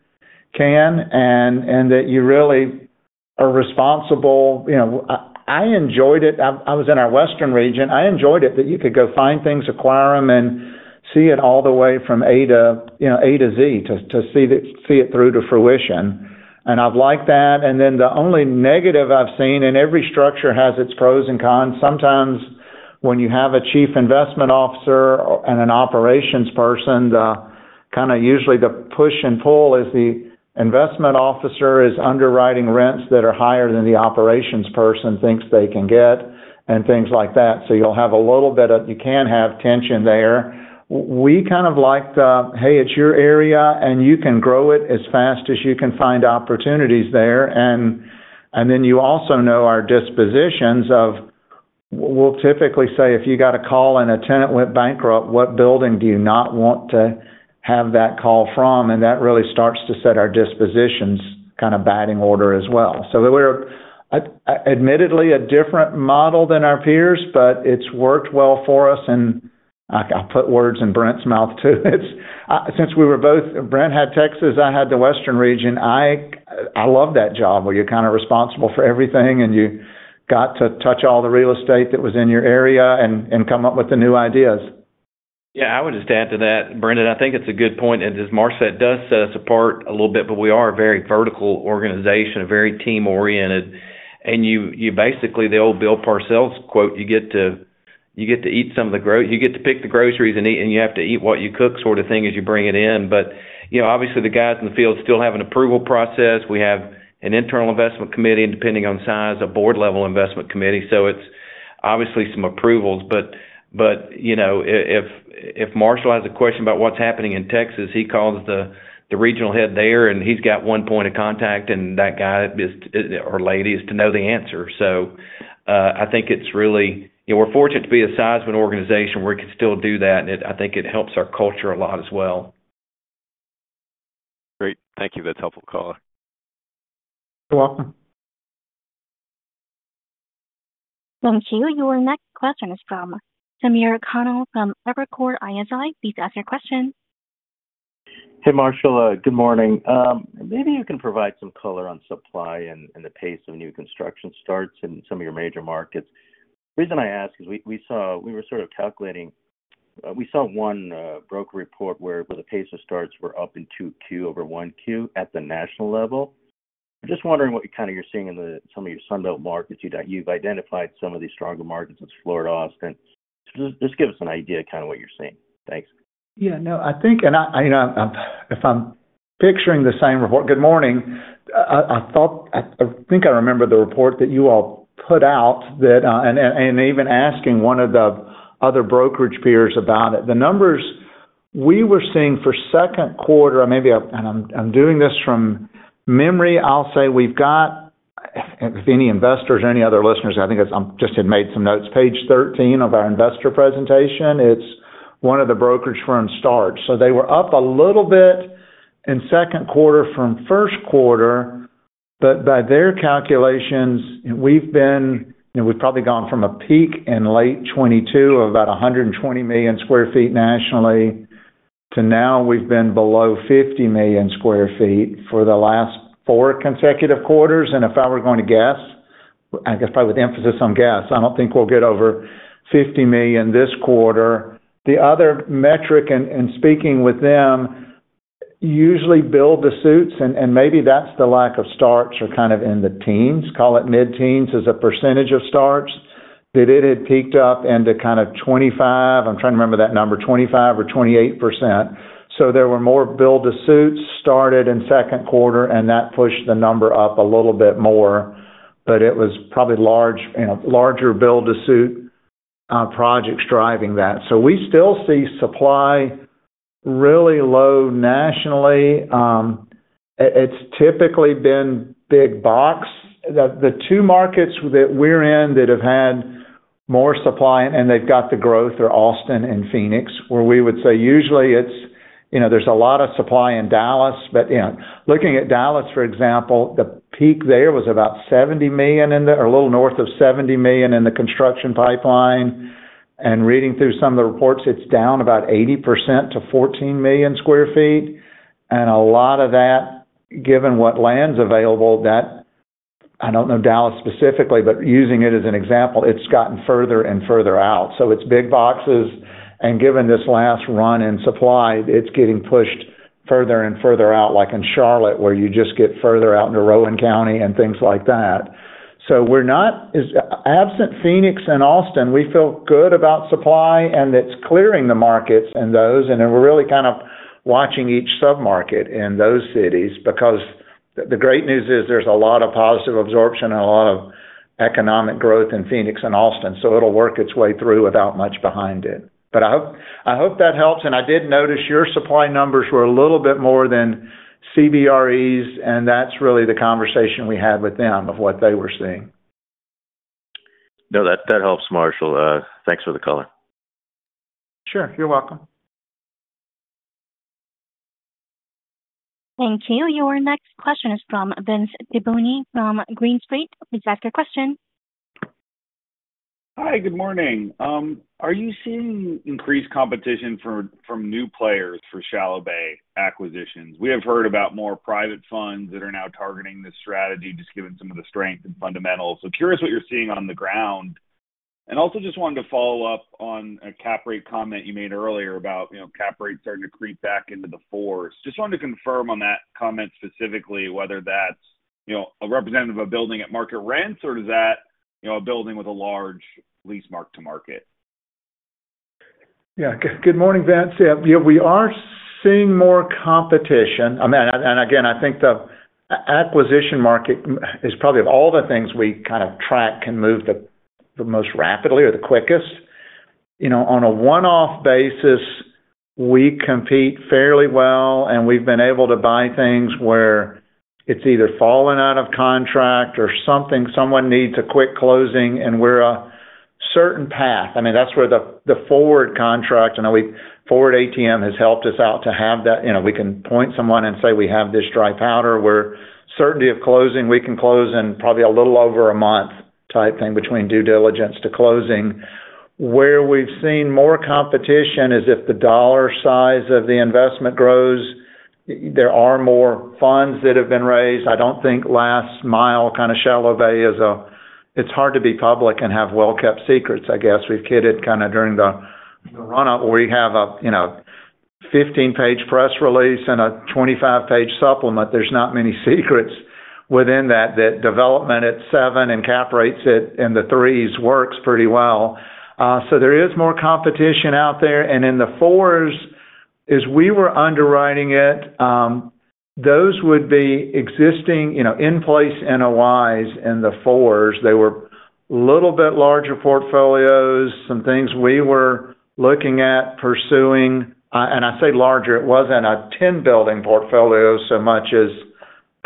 S2: can, and that you really are responsible. You know, I enjoyed it. I was in our western region. I enjoyed it, that you could go find things, acquire them, and see it all the way from A to, you know, A to Z, to see it through to fruition. And I've liked that. And then the only negative I've seen, and every structure has its pros and cons, sometimes when you have a chief investment officer and an operations person, the kind of usually the push and pull is the investment officer is underwriting rents that are higher than the operations person thinks they can get, and things like that. So you'll have a little bit of... You can have tension there. We kind of like the, "Hey, it's your area, and you can grow it as fast as you can find opportunities there." And, and then you also know our dispositions of, we'll typically say, if you got a call and a tenant went bankrupt, what building do you not want to have that call from? And that really starts to set our dispositions kind of batting order as well. So we're admittedly a different model than our peers, but it's worked well for us, and I put words in Brent's mouth, too. Since we were both... Brent had Texas, I had the western region. I love that job, where you're kind of responsible for everything, and you got to touch all the real estate that was in your area and come up with the new ideas.
S4: Yeah, I would just add to that, Brendan. I think it's a good point, and as Marshall said, it does set us apart a little bit, but we are a very vertical organization, a very team-oriented. And you, you basically, the old Bill Parcells quote, you get to pick the groceries and eat, and you have to eat what you cook sort of thing as you bring it in. But, you know, obviously, the guys in the field still have an approval process. We have an internal investment committee, and depending on size, a board-level investment committee. So it's obviously some approvals. But you know, if Marshall has a question about what's happening in Texas, he calls the regional head there, and he's got one point of contact, and that guy or lady is to know the answer. So I think it's really... You know, we're fortunate to be the size of an organization where we can still do that, and I think it helps our culture a lot as well.
S15: Great. Thank you. That's helpful color.
S2: You're welcome.
S1: Thank you. Your next question is from Samir Khanal from Evercore ISI. Please ask your question.
S16: Hey, Marshall, good morning. Maybe you can provide some color on supply and the pace of new construction starts in some of your major markets. The reason I ask is we saw. We were sort of calculating, we saw one broker report where the pace of starts were up in 2Q over 1Q at the national level. Just wondering what you kind of you're seeing in some of your Sunbelt markets, that you've identified some of these stronger markets as Florida, Austin. Just give us an idea of kind of what you're seeing. Thanks.
S2: Yeah, no, I think, you know, I'm—if I'm picturing the same report... Good morning. I thought I think I remember the report that you all put out, and even asking one of the other brokerage peers about it. The numbers we were seeing for second quarter, maybe, and I'm doing this from memory. I'll say we've got, if any investors or any other listeners, I think it's just had made some notes. Page 13 of our investor presentation, it's one of the brokerage firm starts. So they were up a little bit in second quarter from first quarter, but by their calculations, we've been, you know, we've probably gone from a peak in late 2022 of about 120 million sq ft nationally, to now we've been below 50 million sq ft for the last four consecutive quarters. And if I were going to guess, I guess probably with emphasis on guess, I don't think we'll get over 50 million this quarter. The other metric in, in speaking with them, usually build-to-suits, and, and maybe that's the lack of starts or kind of in the teens, call it mid-teens, as a percentage of starts, that it had peaked up into kind of 25. I'm trying to remember that number, 25% or 28%. So there were more build-to-suits started in second quarter, and that pushed the number up a little bit more, but it was probably large, you know, larger build-to-suit projects driving that. So we still see supply really low nationally. It's typically been big box. The two markets that we're in that have had more supply and they've got the growth are Austin and Phoenix, where we would say usually it's, you know, there's a lot of supply in Dallas, but, you know, looking at Dallas, for example, the peak there was about 70 million in the... Or a little north of 70 million in the construction pipeline. And reading through some of the reports, it's down about 80% to 14 million sq ft. And a lot of that, given what land's available, that, I don't know Dallas specifically, but using it as an example, it's gotten further and further out. So it's big boxes, and given this last run in supply, it's getting pushed further and further out, like in Charlotte, where you just get further out into Rowan County and things like that. So we're not as... Absent Phoenix and Austin, we feel good about supply, and it's clearing the markets and those, and then we're really kind of watching each submarket in those cities. Because the, the great news is there's a lot of positive absorption and a lot of economic growth in Phoenix and Austin, so it'll work its way through without much behind it. I hope, I hope that helps, and I did notice your supply numbers were a little bit more than CBRE's, and that's really the conversation we had with them of what they were seeing.
S16: No, that helps, Marshall. Thanks for the color.
S2: Sure. You're welcome.
S1: Thank you. Your next question is from Vince Tibone from Green Street. Please ask your question.
S17: Hi, good morning. Are you seeing increased competition from new players for shallow bay acquisitions? We have heard about more private funds that are now targeting this strategy, just given some of the strength and fundamentals. So curious what you're seeing on the ground. And also just wanted to follow up on a cap rate comment you made earlier about, you know, cap rates starting to creep back into the fours. Just wanted to confirm on that comment specifically, whether that's, you know, a representative of building at market rents, or does that, you know, a building with a large lease mark-to-market?
S2: Yeah. Good morning, Vince. Yeah, we are seeing more competition. I mean, and again, I think the acquisition market is probably of all the things we kind of track, can move the most rapidly or the quickest. You know, on a one-off basis, we compete fairly well, and we've been able to buy things where it's either fallen out of contract or something, someone needs a quick closing, and we're a certain path. I mean, that's where the forward contract, I know we forward ATM has helped us out to have that. You know, we can point someone and say, "We have this dry powder," where certainty of closing, we can close in probably a little over a month type thing between due diligence to closing. Where we've seen more competition is if the dollar size of the investment grows, there are more funds that have been raised. I don't think last mile kind of shallow bay is a... It's hard to be public and have well-kept secrets, I guess. We've kidded kind of during the run-up, where you have a, you know, 15-page press release and a 25-page supplement. There's not many secrets within that, that development at seven and cap rates it in the 3s works pretty well. So there is more competition out there. And in the 4s, as we were underwriting it, those would be existing, you know, in place NOIs in the 4s. They were little bit larger portfolios, some things we were looking at pursuing. And I say larger, it wasn't a 10-building portfolio so much as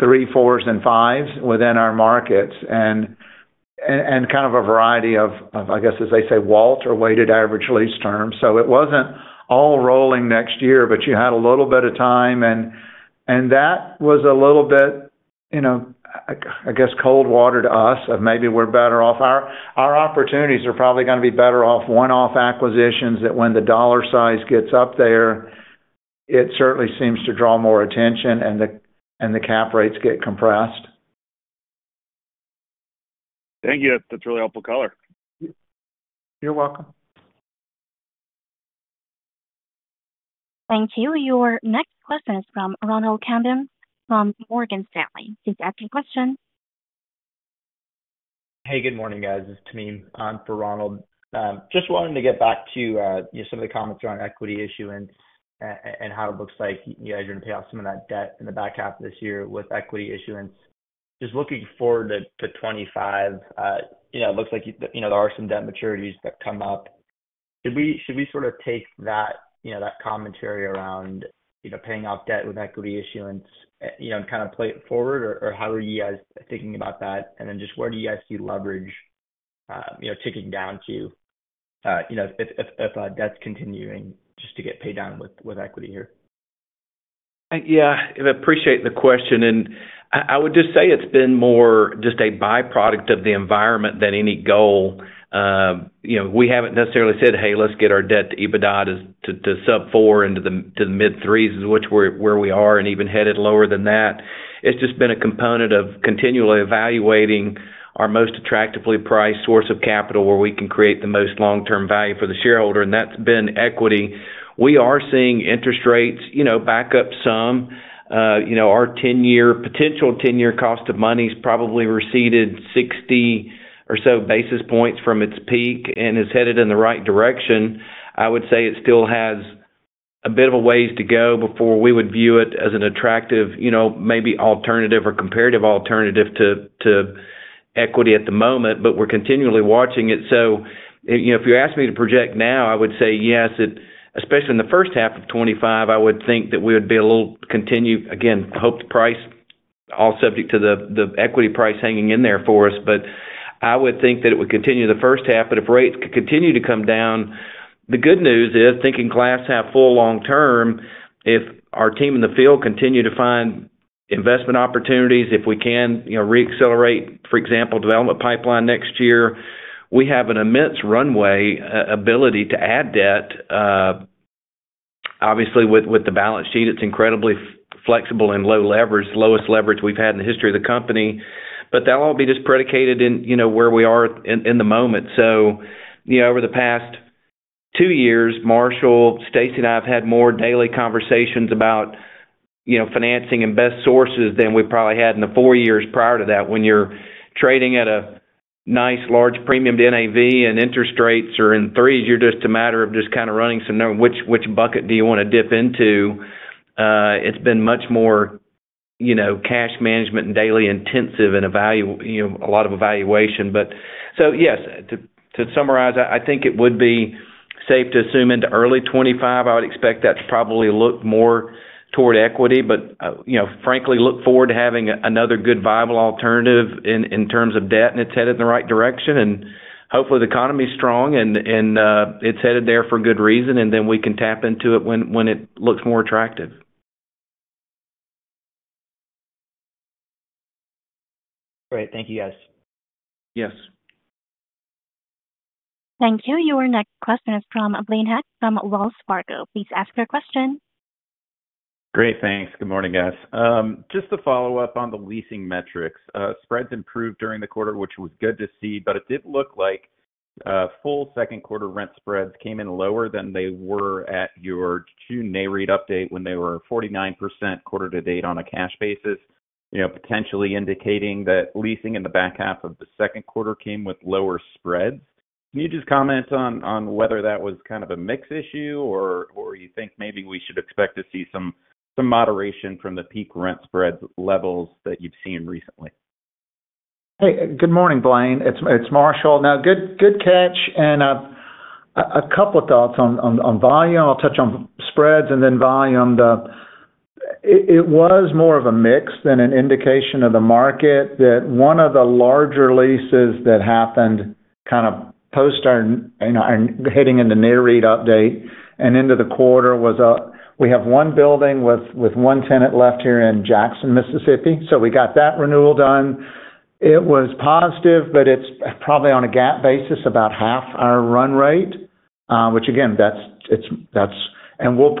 S2: 3, 4s, and 5s within our markets. And kind of a variety of, I guess, as they say, WALT or weighted average lease terms. So it wasn't all rolling next year, but you had a little bit of time, and that was a little bit, you know, I guess, cold water to us, of maybe we're better off. Our opportunities are probably gonna be better off one-off acquisitions, that when the dollar size gets up there, it certainly seems to draw more attention, and the cap rates get compressed.
S17: Thank you. That's a really helpful color.
S2: You're welcome.
S1: Thank you. Your next question is from Ronald Kamdem from Morgan Stanley. Please ask your question.
S18: Hey, good morning, guys. It's Tamim for Ronald. Just wanted to get back to, you know, some of the comments around equity issuance and how it looks like you guys are going to pay off some of that debt in the back half of this year with equity issuance. Just looking forward to 2025, you know, it looks like, you know, there are some debt maturities that come up. Should we, should we sort of take that, you know, that commentary around, you know, paying off debt with equity issuance, you know, and kind of play it forward? Or how are you guys thinking about that? And then just where do you guys see leverage, you know, ticking down to, you know, if debt's continuing just to get paid down with equity here?
S2: Yeah, I appreciate the question, and I, I would just say it's been more just a byproduct of the environment than any goal. You know, we haven't necessarily said, "Hey, let's get our debt to EBITDA to sub-4 into the mid-3s," which is where we are, and even headed lower than that. It's just been a component of continually evaluating our most attractively priced source of capital, where we can create the most long-term value for the shareholder, and that's been equity. We are seeing interest rates, you know, back up some. You know, our 10-year, potential 10-year cost of money has probably receded 60 or so basis points from its peak and is headed in the right direction. I would say it still has a bit of a ways to go before we would view it as an attractive, you know, maybe alternative or comparative alternative to, to equity at the moment, but we're continually watching it. So, you know, if you ask me to project now, I would say yes, especially in the first half of 2025, I would think that we would be a little continue. Again, hope to price, all subject to the, the equity price hanging in there for us, but I would think that it would continue the first half. But if rates continue to come down, the good news is, thinking glass half full long term, if our team in the field continue to find investment opportunities, if we can, you know, re-accelerate, for example, development pipeline next year, we have an immense runway, ability to add debt. Obviously, with, with the balance sheet, it's incredibly flexible and low leverage, lowest leverage we've had in the history of the company, but that'll all be just predicated in, you know, where we are in, in the moment. So, you know, over the past two years, Marshall, Staci and I have had more daily conversations about, you know, financing and best sources than we probably had in the four years prior to that. When you're trading at a nice large premium to NAV and interest rates are in threes, you're just a matter of just kind of running some numbers, which, which bucket do you want to dip into? It's been much more, you know, cash management and daily intensive and evalu- you know, a lot of evaluation. But so, yes, to summarize, I think it would be safe to assume into early 2025, I would expect that to probably look more toward equity, but, you know, frankly, look forward to having another good viable alternative in terms of debt, and it's headed in the right direction. And hopefully, the economy is strong and it's headed there for good reason, and then we can tap into it when it looks more attractive.
S18: Great. Thank you, guys.
S2: Yes.
S1: Thank you. Your next question is from Blaine Heck from Wells Fargo. Please ask your question.
S19: Great. Thanks. Good morning, guys. Just to follow up on the leasing metrics, spreads improved during the quarter, which was good to see, but it did look like full second quarter rent spreads came in lower than they were at your June NAREIT update when they were 49% quarter to date on a cash basis, you know, potentially indicating that leasing in the back half of the second quarter came with lower spreads. Can you just comment on, on whether that was kind of a mix issue, or, or you think maybe we should expect to see some, some moderation from the peak rent spread levels that you've seen recently?
S2: Hey, good morning, Blaine. It's Marshall. Now, good catch. And a couple of thoughts on volume. I'll touch on spreads and then volume. It was more of a mix than an indication of the market, that one of the larger leases that happened kind of post our, you know, hitting in the NAREIT update and into the quarter was, we have one building with one tenant left here in Jackson, Mississippi, so we got that renewal done. It was positive, but it's probably on a GAAP basis, about half our run rate, which again, that's... And we're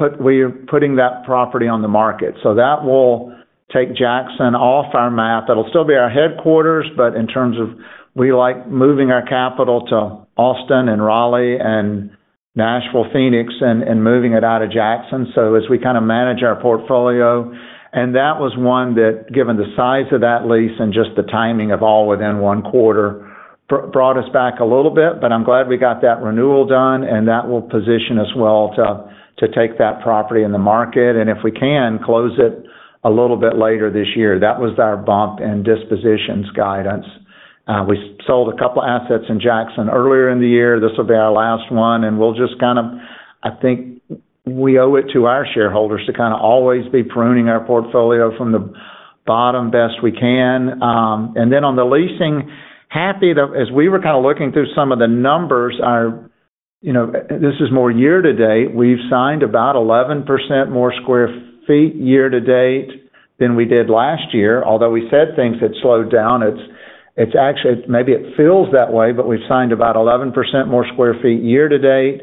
S2: putting that property on the market. So that will take Jackson off our map. It'll still be our headquarters, but in terms of we like moving our capital to Austin and Raleigh and Nashville, Phoenix, and, and moving it out of Jackson, so as we kind of manage our portfolio. And that was one that, given the size of that lease and just the timing of all within one quarter, brought us back a little bit, but I'm glad we got that renewal done, and that will position us well to take that property in the market, and if we can, close it a little bit later this year. That was our bump in dispositions guidance. We sold a couple assets in Jackson earlier in the year. This will be our last one, and we'll just kind of... I think we owe it to our shareholders to kind of always be pruning our portfolio from the bottom best we can. And then on the leasing, happy that as we were kind of looking through some of the numbers, our, you know, this is more year to date. We've signed about 11% more square feet year to date than we did last year. Although we said things had slowed down, it's, it's actually, maybe it feels that way, but we've signed about 11% more square feet year to date,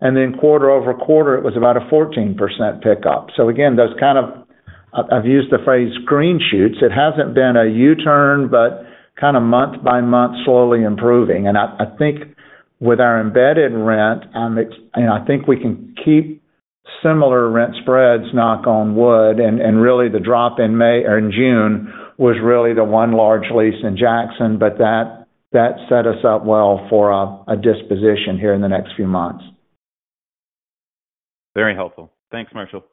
S2: and then quarter-over-quarter, it was about a 14% pickup. So again, that's kind of, I've, I've used the phrase green shoots. It hasn't been a U-turn, but kind of month-by-month, slowly improving. And I think with our embedded rent, it's, you know, I think we can keep similar rent spreads, knock on wood, and really, the drop in May or in June was really the one large lease in Jackson, but that set us up well for a disposition here in the next few months.
S19: Very helpful. Thanks, Marshall.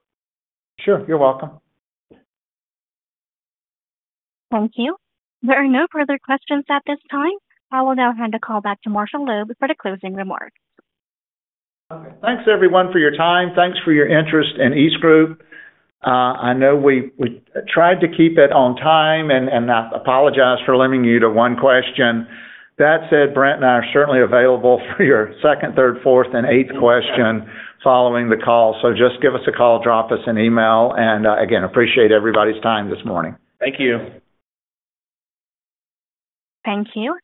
S2: Sure. You're welcome.
S1: Thank you. There are no further questions at this time. I will now hand the call back to Marshall Loeb for the closing remarks.
S2: Thanks, everyone, for your time. Thanks for your interest in EastGroup. I know we, we tried to keep it on time, and, and I apologize for limiting you to one question. That said, Brent and I are certainly available for your second, third, fourth, and eighth question following the call. So just give us a call, drop us an email, and, again, appreciate everybody's time this morning.
S4: Thank you.
S1: Thank you.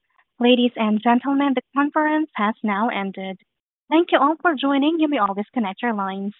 S1: Ladies and gentlemen, the conference has now ended. Thank you all for joining, you may all disconnect your lines.